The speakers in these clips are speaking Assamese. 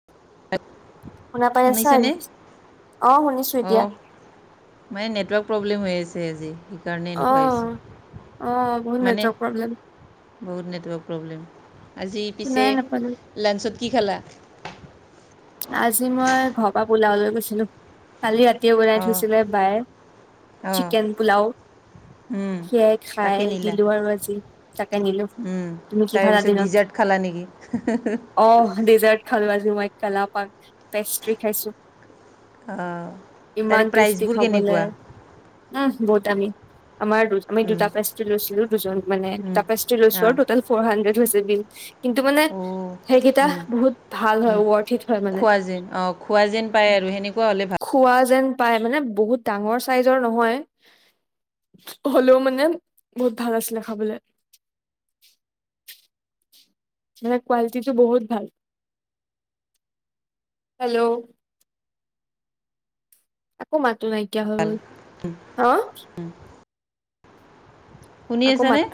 [unintelligible] শুনা পাই আছা? শুনিছেনে অঁ শুনিছো এতিয়া। অঁ মানে নেটৱৰ্ক প্ৰব্লেম হৈ আছে আজি, সেইকাৰণে অ এনেকুৱা অ বহুত হৈছে। মানে নেটৱৰ্ক প্ৰব্লেম বহুত নেটৱৰ্ক প্ৰব্লেম। আজি পিছে শুনাই নাপালো লাঞ্চত কি খালা? আজি মই ঘৰৰ পৰা পোলাও লৈ গৈছিলো কালি ৰাতিয়ে বনাই অঁ থৈছিলে বাইয়ে। অঁ চিকেন পোলাও সেয়াই তাকে খাই নিলা দিলো আৰু আজি তাকে নিলো তুমি কি তাৰে খালা পিছত দিনত? ডিজাৰ্ট খালা নেকি? হেহেহেহ। অ ডেজাৰ্ট খালো আজি মই কেলা পাক পেষ্ট্ৰি খাইছো। অঁ তাৰে ইমান টেষ্টি প্ৰাইচবোৰ খাবলৈ। কেনেকুৱা আহ বৰত আমি আমাৰ দুচ আমি অঁ দুটা ফেষ্টভ লৈছিলো দুজন মানে দুটা ফেষ্ট লৈছো আৰু টোটেল ফৰ হানড্ৰেড হৈছে বিল কিন্তু মানে অঁ সেইকেইটা বহুত ভাল হয় ৱৰ্থ ইট হয় মানে খোৱা যেন অ খোৱা যেন পায় আৰু সেনেকুৱা হ'লে ভা খোৱা যেন পায় মানে বহুত ডাঙৰ চাইজৰ নহয় হ'লেও মানে বহুত ভাল আছিলে খাবলে। মানে কোৱালিটিটো বহুত ভাল, হেল্ল'? আকৌ মাতো নাইকিয়া হৈ ভাল গ'ল হা! শুনি আকৌ আছানে মাত,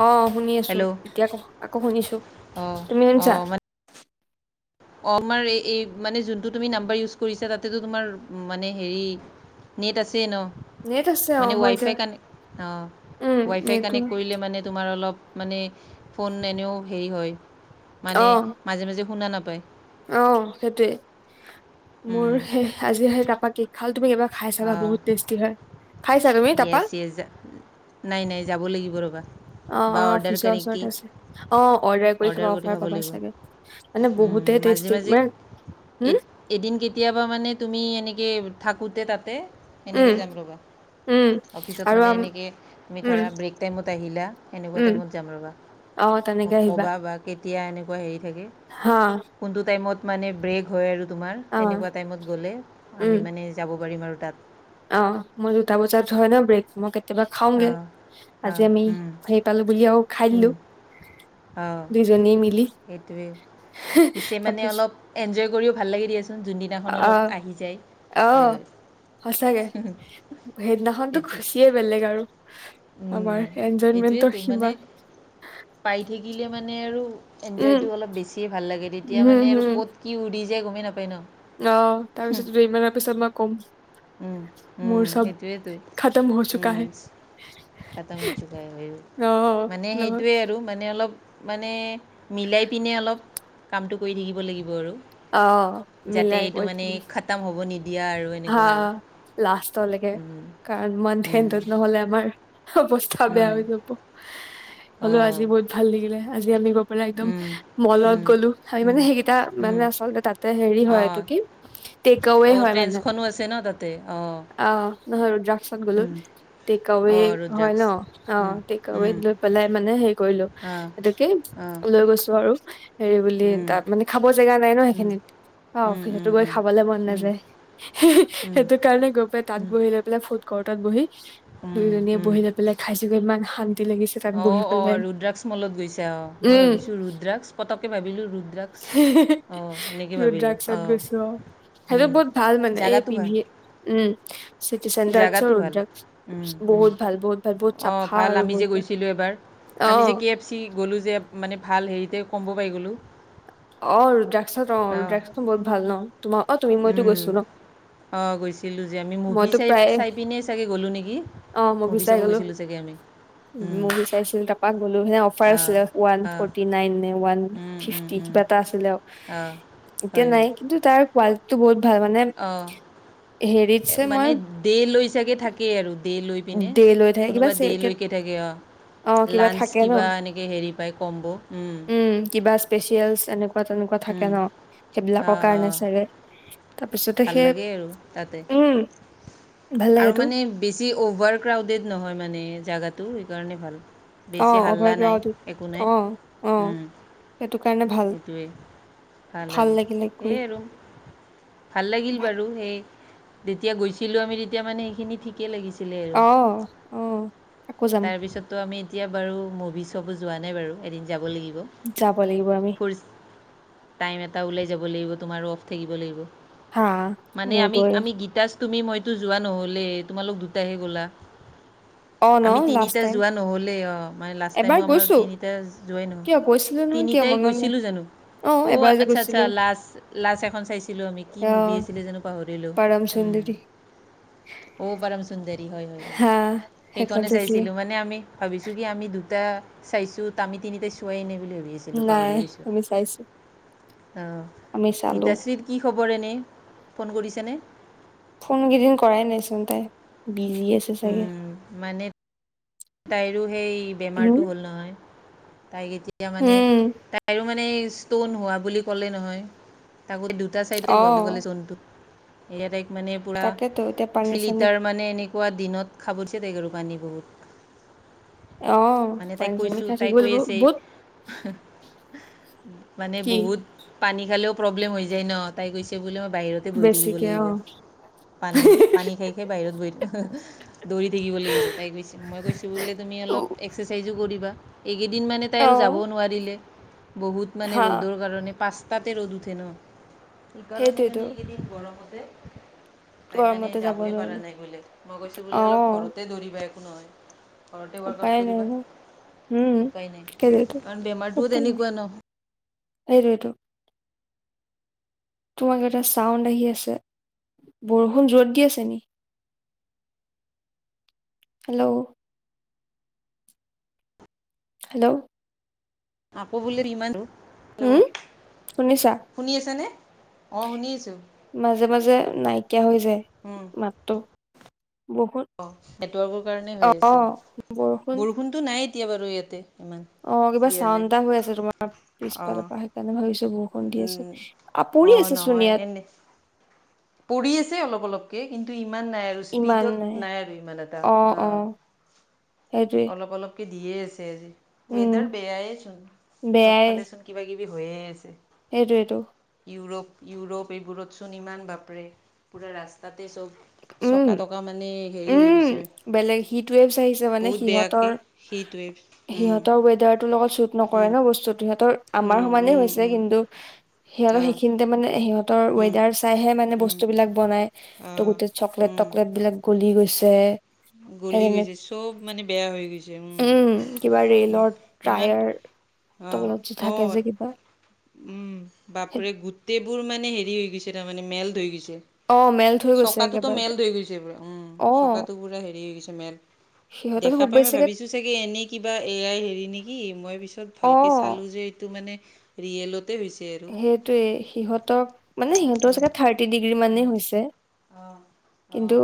অ শুনি আছো হেল্ল' এতিয়া আকৌ শুনিছো অঁ তুমি শুনিছা? অঁ অ আমাৰ এ এই মানে যোনটো তুমি নাম্বাৰ ইউজ কৰিছা তাতেতো তোমাৰ মানে হেৰি নীট আছে ন। নেট আছে অ মানে মই এতিয়া ৱাইফাই কানে, অ উম ৱাইফাই নেটটো কানেক্ট কৰিলে মানে তোমাৰ অলপ মানে ফোন এনেও হেৰি হয় অ মানে মাজে - মাজে শুনা নাপায়। অ সেইটোৱে, মোৰ সেই আজি সেই তাপাক কি খাল তুমি কিবা খাই অ চাবা বহুত টেষ্টি হয়। খাইছা তুমি তাপা য়েছ য়েছ, নাই নাই যাব লাগিব ৰ'বা! অ বা অ অৰ্ডাৰ ওচৰ কৰি কি ওচৰত আছে, অ অৰ্ডাৰ কৰি খাবা অফাৰ পাবা চাগে মানে উম, বহুতে এইটো মাজে মাজে ষ্টিকমেন উম! এ- এদিন কেতিয়াবা মানে তুমি এনেকে থাকোঁতে তাতে এনেকে উম, যাম ৰ'বা। উম, অফিচত আৰু মানে আম এনেকে তুমি উম, ধৰা ব্ৰেক টাইমত আহিলা সেনেকুৱা উম, টাইমত যাম ৰ'বা। অ তেনেকে মোক আহিবা। ক'বা বা কেতিয়া এনেকুৱা হেৰি থাকে হা। কোনটো টাইমত মানে ব্ৰেক হয় আৰু তোমাৰ অ', তেনেকুৱা টাইমত গ'লে উম, আমি মানে যাব পাৰিম আৰু তাত। অ মোৰ দুটা বজাত হয় ন ব্ৰেক, মই কে কেতিয়াবা খাওঁগে, অঁ আজি অঁ আমি সেই পালো বুলি আৰু খাই দিলো। আহ দুইজনীয়ে মিলি এইটোৱে। পিছে মানে তাৰপিছ অলপ এনজয় কৰিও ভাল লাগে দিয়াচোন, যোনদিনাখন অলপ আহি যায়। আহ হয় হয় সচাকে সেইদিনাখনতো সেইটো খুচিয়ে বেলেগ আৰু। উম, আমাৰ এনজয়মেন্টৰ সেইটোৱেতো মানে সিমান পাই থাকিলে মানে আৰু উম, এনজয়টো অলপ বেছিয়ে ভাল লাগে তেতিয়া হম, মানে আৰু হম, ক'ত কি উধি যে গমেই নাপায় ন? অ তাৰপিছত ৰুইমৰা পিছত মই কম। উম, উম, মোৰ চব সেইটোৱেতো খাতাম হ চুকা হে। খাতাং হ চোকা হে অ', মানে নহয় সেইটোৱে আৰু মানে অলপ মানে মিলাই পিনে অলপ কামটো কৰি থাকিব লাগিব আৰু। অ', যাতে মিলাই এইটো মানে কৰি খাতাম হ'ব নিদিয়া আৰু। হা এনেকুৱা আৰু লাষ্টলৈকে উম, কাৰণ মান্থ উম, এণ্ঠত নহলে আমাৰ চব বস্তু ফা বেয়া উম, হৈ যাব, হলেও অঁ আজি বহুত ভাল লাগিলে আজি আমি গ ত পৰা একদম উম, মলত উম, গ'লো আমি উম, মানে সেইকেইটা উম, মানে আচলতে তাত এ হেৰি হয় অঁ এইটো কি টেক আৱে অঁ হয় মানে ট্ৰেন্সখনো আছে না তাত তে অ অ নহয় ড্ৰাগছত গ'লো টেক আৱে অঁ হয় ৰুদ্ৰাক্ষ ন অ অঁ টেক আৱে পেলাই মানে হেৰি কৰিলো পটোকে অঁ লৈ গৈছো আৰু হেৰি বুলি উম, তাত মানে খাব জেগা নাই ন উম, সেইখিনিত অ উম, অফিচতো উম, গৈ উম, খাবলে মন উম। নাযায় সেইটো কাৰণে গৈ পাই তাত বহি লৈ পেলাই ফুট কৰ্টত বহি দুইজনীয়ে বহি বেলে খাইছো গৈ ইমান শান্তি লাগিছে। তাত বহি অঁ অঁ পেলাই ৰুদ ড্ৰাগছ মলত গৈছে অঁ মই উম ভাবিছোঁ ৰুদ ড্ৰাগছ পটককৈ ভাবিলোঁ ৰুদ ড্ৰাগছ অঁ সেনেকৈ ভাবিলোঁ ৰুদ্ৰাক্সত অঁ গৈছো অ সেইটো উম! বহুত ভাল মানে এ পি ভ উম চিটি চেণ্টাৰ চ জেগাটো উ ভাল বহুত ভাল বহুত ভাল বহুত অঁ চাফা ভাল আৰু আমি যে বহুত ভাল। গৈছিলোঁ এবাৰ আমি যে কে এফ চি গলো যে মানে ভাল বাৰীতে কম্ব পাই গলো। অ ৰদ্ৰাগছত অ ৰদ্ৰাগছখন বহুত ভাল ন তোমাৰ অ তুমি মইতো গৈছো ন। অঁ গৈছিলোঁ যে আমি মুভি মইতো চাই প্ৰায় চাই পিনে চাগে গ'লোঁ নেকি। মুভি চাব গৈছিলোঁ চাগে আমি। মভি চাইছিলো তাপাক গলো অফাৰ আছিলে ওৱান ফৰ্টি নাইন নে ওৱান অঁ অঁ কিবা এটা আছিলে আৰু অঁ এতিয়া হয় নাই হয় কিন্তু তাৰ কোৱালিটিটো বহুত ভাল মানে হেৰিকছে মই দেই লৈ ছাগ থাকেই আৰু দেই লৈ পিনে ডে লৈ থাকে কিবা কোনোবা দেই চে- কে- লৈকে থাকে অ অ কিবা লাঞ্চ থাকে ন কিবা এনেকে হেৰি পায় কম্ব উম কিবা স্পেচিয়েল এনেক তেনেকুৱা থাকে উম। ন সেইবিলাকৰ অঁ কাৰণে চাগ তাৰপিছতে সেই দিয়ে আৰু তাতে উম ভাল আৰু লাগেতো মানে বেছি অভাৰ ক্ৰাউডেড নহয় মানে জেগাটো সেইকাৰণে ভাল অ বেছি হাল্লা অভাৰ নাই ক্ৰাউড একো নাই অ অ সেইটো কাৰণে ভাল সেইটোৱেই ভাল আৰু লাগিলে গৈ সেয়ে আৰু ভাল লাগিল বাৰু সেই তেতিয়া গৈছিলো আমি তেতিয়া মানে সেইখিনি ঠিক ঠিক লাগিছিলে অ অ আকৌ যাম তাৰপিছতো আমি এতিয়া বাৰু মুভি চবো যোৱা নাই বাৰু এদিন যাব লাগিব যাব লাগিব আমি ফুৰ টাইম এটা ওলাই যাব লাগিব তোমাৰো অফ থাকিব লাগিব। হা মানে মোৰতো আমি এই- আমি গীতাচ তুমি মইতো যোৱা নহলে তোমালোক দুটাহে গ'লা। অ ন আমি লাষ্ট তিনিটা টাইম যোৱা নহলেই অ মানে লাষ্ট এবাৰ টাইমো আমাৰ গৈছো তিনিটা যোৱাই কিয় গৈছিলো নহয় কিয় তিনিটাই মনত নাই গৈছিলোঁ জানো। অ এবাৰ যে আচ্ছা আচ্ছা গৈছিলো লাষ্ট লাষ্ট এখন চাইছিলো আমি কি অ মুভি আছিলে যোনো পাহৰিলো পৰম সুন্দৰী উ অ পৰম সুন্দৰী হয় হয় হয় হা সেইখন সেইকাৰণে চাইছিলো চাইছিলোঁ মানে আমি ভাবিছোঁ কি আমি দুটা চাইছো ত আমি তিনিটা চোৱাই এনে বুলি ভাবি আছোঁ। নাই আমি চাইছো আমি চালো [unintelligible] কি খবৰ এনেই ফোন কৰিছেনে। ফোন কেইদিন কৰাই নাইচোন তাই বিজি আছে। চাগে উম মানে তাইৰো সেই উম বেমাৰটো হ'ল নহয় তাইক এতিয়া মানে উম তাই মানে ষ্টন হোৱা বুলি ক'লে নহয় তাকো দুটা চাইড অ হোৱা বুলি ক'লে ষ্টনটো। এয়া তাইক মানে পূৰা তাকেতো এতিয়া পানী থ্ৰী চানী লিটাৰ মানে এনে খোৱা দিনত খাব দিছে তাইক আৰু পানী বহুত। অ মানে তাইক পানী চানী কৈছোঁ খাই তাই থাকিব কৈ লাগিব আছে বহুত মানে কি বহুত পানী খালেও প্ৰব্লেম হৈ যায় ন তাই গৈছে বোলে মই বাহিৰত বহি থাকিব বেছিকে অ লাগিব পানী পানী খাই সেই বাহিৰত গৈ দৌৰি থাকিব লাগিব তাই কৈছে মই কৈছোঁ বুললে তুমি উ, অলপ এক্সাৰচাইজো কৰিবা এইকেইদিনমানানে তাই অ আৰু যাবও নোৱাৰিলে। বহুত মানে হা ৰ'দৰ কাৰণে পাঁচটাতে ৰ'দ উঠে ন। সেইকাৰণে সেইটোৱেতো মানে এইকেইদিন গৰমতে তাই মানে গৰমতে যাব যাবই পৰা নোৱাৰিলে নাই বোলে মই কৈছোঁ অ বোলে অলপ ঘৰতে দৌৰিবা একো নহয় ঘৰতে ৱৰ্কআউট উপায় নাই কৰিবা ন উম উপায় সেইটোৱেতো নাই কাৰণ বেমাৰটোও তেনেকুৱা ন। এইটো এইটো। তোমাক এটা চাউণ্ড আহি আছে বৰষুণ যোৰত দি আছে নিকি। হেল্ল'। হেল্ল'। আকৌ বুলি ৰিমানো উম শুনিছা? শুনি আছেনে অ', শুনি আছোঁ। মাজে, মাজে নাইকিয়া হৈ যায়। হু। সাত অ', নেটৱৰ্কৰ কাৰণে হৈ অ আছে বৰষুণ বৰষুণটো নাই এতিয়া বাৰু ইয়াতে ইমান। অ', কিবা দিয়া নাই। চাউণ্ড হৈ আছে তোমাৰ পিছফালৰ অঁ পৰা। সেইকাৰণে ভাবিছোঁ বৰষুণ দি আছে উম আ পৰি অঁ আছে চোন নহয় ইয়াত। এনে পৰি আছে অলপ অলপকে কিন্তু ইমান নাই আৰু স্পীডত নাই আৰু ইমান এটা অ'। এইটো। অলপ অলপকৈ দিয়ে আছে আজি উম ৱেডাৰ বেয়াচোন চব ফালে চোন কিবা কিবি হৈয়ে আছে। সেইটোৱ এইটো। ইউৰোপ ইউৰোপ এইবোৰতচোন ইমান বাপৰে পূৰা ৰাস্তাতে চব উম চকা তকা মানে হেৰি হৈ উম গৈছে। বেলেগ হিট ৱেবছ আহিছে মানে বহুত বেয়াকে সিহঁতৰ সেইটোৱে উম সিহঁতৰ ৱেডাৰ লগত চুট নকৰে উম ন বস্তুতো সিহতৰ আমাৰ উম সমানে উম হৈছে উম কিন্তু সিহঁতৰ অঁ সেইখিনিতে মানে সিহঁতৰ উম ৱেডাৰ চাইহে মানে উম বস্তু বিলাক বনাই ত অঁ গোটেই চকলেট উম তকলেট বিলাক গলি গৈছে। সেই গলি তেনে গৈছে চব মানে বেয়া হৈ গৈছে উম কিবা ৰেলৰ ইমান টায়াৰ আহ তলত যে থাকে যে অ'ত। কিবা উম সেই- বাপৰে গোটেইবোৰ মানে হেৰি হৈ গৈছে তাৰমানানে মেলট হৈ গৈছে। অ মেল্ট হৈ গৈছে চকাতটোতো একেবাৰতে মেলট হৈ গৈছে ব উম অ চকাটো। পুৰা হেৰি গৈছে মেলেট সিহঁতৰ দেখা খুব পাই মই বেছিকে ভাবিছোঁ চাগে এনেই কিবা এ আই হেৰি নেকি মই পিছত অ ভালকে চালো যে এইটো মানে ৰিয়েলত তে [unintelligible] সেইটোৱে সিহঁতক মানে সিহঁতৰ চাগে থাৰ্টি ডিগ্ৰী মানেই হৈছে। অ কিন্তু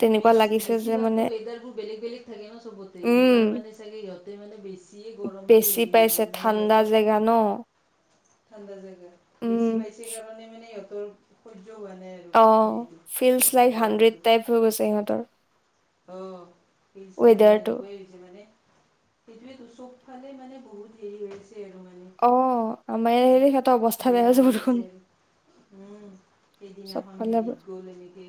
তেনেকুৱা বেছি লাগিছে যে মানে বেছিভাগতো ৱেদাৰবোৰ বেলেগ বেলেগ থাকে ন সবতে উম এইবাৰ মানে চাগে ইহঁতে মানে বেছি, বেছি পাইছে ঠাণ্ডা জেগা ন ঠাণ্ডা জেগা উম বেছি পাইছে কাৰণে মানে ইহঁতৰ সহ্য হোৱা নাই আৰু অ হেৰিটো ফিল্ডছ লাইক হাড্ৰেড গৰমটো টাইপ হৈ গৈছে সিহঁতৰ। অ ফিল্ডছ লাইক মানে ৱেডাৰটো এনেকুৱাই। মানে সেইটোয়েটো চব ফালে মানে বহুত হেৰি হৈ আছে আৰু মানে অ আমাৰ সিহঁতৰ অৱস্থা বেয়া হৈ যাব দেখোন। উম সেইদিনাখন ফালে হেৰিত গ'ল এনেকে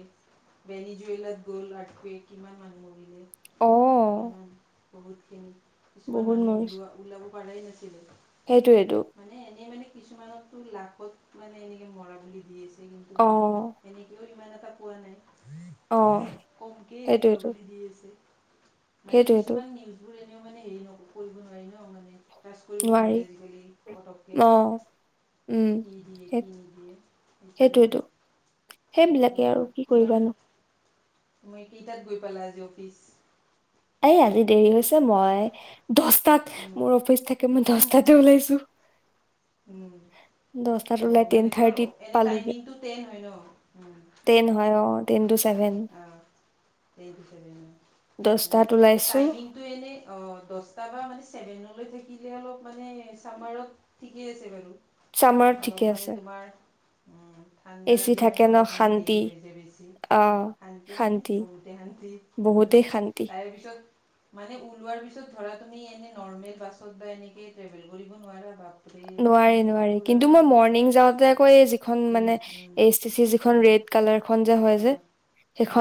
বেল জুুৱেলত গ'ল আটকে কিমান মান মৰিলে অ কিমান। বহুতখিনি কিছুমান বহুত মানুহ মৰিছে ওলোৱা ওলাব পৰাই নাছিলে। সেইটোৱেইটো মানে এনেই মানে কিছুমানতো লাখত মানে এনেকে মৰা বুলি দি আছে কিন্তু অ মানে এনেকেও ইমান কথা কোৱা নাই অ কমকে হেৰুৱা সেইটোৱেইটো বুলি দি আছে মানে সেইটোৱেইটো কিছুমান নিউজ সেইবোৰ এনেও মানে হেৰি ন কৰিব নোৱাৰি ন মানে ত্ৰাস কৰিব নোৱাৰি আজিকালি। পটককে অ উম কি দিয়ে সেই কি নিদিয়ে সেইটোৱে সেইটোৱেইটো সেইবিলাকে আৰু কি কৰিবানো তুমি কেইটাত গৈ পালা আজি অফিচ? এই আজি দেৰি হৈছে মই দছটাত মোৰ অফিচ থাকে মই দশটাতে ওলাইছো। উ দহটাত অ ওলাই টেন মানে তোমাৰ থাৰ্টিত এনে পালোগে টাইমিংটো টেন হয় ন। উম টেন হয় অ টেন টু ছেভেন। অ মানে দহটাত ওলাইছো টাইমিং। এনে অ দচটা বা মানে চেভেনলৈ থাকিলে অলপ মানে চামাৰত ঠিকেই আছে বাৰু। ছামাৰত অলপ ঠিকে মানে আছে। তোমাৰ উম ঠাণ্ডাৰ এচি থাকে দিনত ন অলপ মানে শান্তি দেৰি হৈ যায় বেছি আহ শান্তি মানে বহুতে শান্তিত বহুতেই শান্তি। তাৰপিছত মানে ওলোৱাৰ পিছত ধৰা তুমি নৰ্মেল বাছত বা এনেকে ট্ৰেভেল কৰিব নোৱাৰা। বাপৰে কি নোৱাৰি নোৱাৰি পুৰা কিন্তু মই মানে মৰ্ণিং যাওঁতে আকৌ খন উম মানে উম এ এছ টি চি যিখন উম ৰেড কালাৰ খন যে হয় অ যে।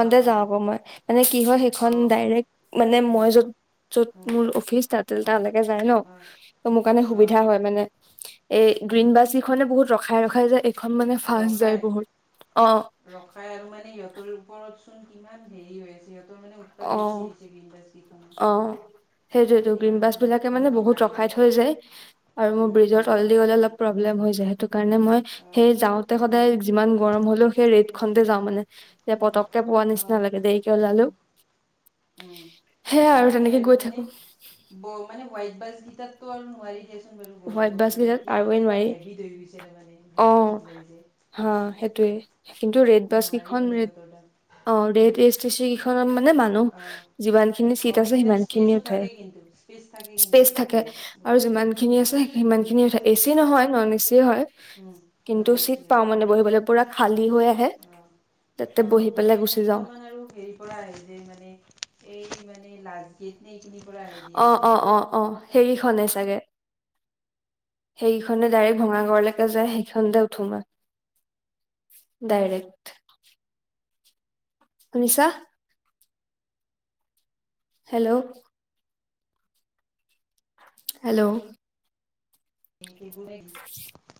অ অ যাওঁ আকৌ মই মানে কি হয় অ', সেইখন অ', ডাইৰেক্ট মানে উম, মই য'ত য'ত উম, মোৰ অফিচ তাতেল আ, তালৈকে যায় ন। আ, ত মোৰ কাৰণে আ, সুবিধা হয় মানে। এই গ্ৰীণ উম, বাছ ইখনে বহুত ৰখাই ৰখাই যায় এইখন মানে ফাচ যায় ৰখাই বহুত। অ ৰখাই আৰু মানে সিহঁতৰ ওপৰত চোন কিমান হেৰি হৈ আছে সিহঁতৰ মানে [inaudible] অ সেইটোৱেটো গ্ৰীন সেইদিনাখন বাছ বিলাকে মানে কোনোবা বহুত মাৰিলে ৰখাই থৈ যায় আৰু মোৰ উম, উম, ব্ৰিজৰ তলেদি গলে উম, অলপ প্ৰব্লেম হৈ যায়, সেইটোকাৰণে মই অ', সেই যাওঁতে উম, সদাই যিমান উম, গৰম হলেও সেই অ', ৰেডখনতে যাওঁ মানে। এ উম, পতককে পোৱা নিচিনা অ', লাগে দেৰিকে ওলালেও। উম, উম। সেয়া মানে আৰু সেই তেনেকে গৈ মানে থাকো। ব মানে হোৱাইট বাজ গীটাত তো আৰু নোৱাৰি। হেচুন বাৰু গৰমৰ হোৱাইট বাছ কাৰণে কেইটাত এতিয়া আৰুৱে মানে এটা নোৱাৰি হেভিত হৈ গৈছে তাৰ মানে অ গ্ৰীণ বাছত যাই যাই হা সেইটোয়ে এচিত। কিন্তু ৰেড বাছ কেইখন ৰেড অঁ ৰেড হুম এ এছ টি চি কেইখন মানে মান নুহ অ', যিমানখিনি চিত অ', আছে সেইকেইটাত সিমান খিনিয়ে স্পেচো উঠাই, থাকে কিন্তু স্পেচ থাকে কিন্তু স্পেচ থাকে তাতেও আৰু বহুতখিনি যিমান যিমানখিনি উম, আছে উম, সিমানখিনিয়ে উঠাই, এচি নহৈ নন এচি হয় উম, উম, কিন্তু চিত নিশ্চয় পাওঁ মানে। বহিবলৈ, পুৰা খালী হৈ আহে অ'। তাতে অ', বহি মানে পেলাই গুচি যাওঁ। কেইখনমান আৰু হেৰিৰ পৰা যে মানে এই মানে লাচ গেট নে এইখিনিৰ পৰা আহে দিয়া মানে অঁ অঁ। সেইখনে চাগে। সেইখনে ডাইৰেক্ট ভঙা ঘৰলৈকে যায়, সেইখনতে উঠো আৰু। ডাইৰেক্ট শুনিছা? হেল্ল হেল্ল [unintelligible]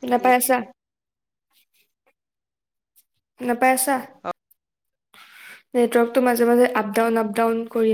শুনা পাই আছা? শুনা পাই আছা, নে নেটৱৰ্কতটো মাজে মাজে আপ ডাউন আপ ডাউন কৰি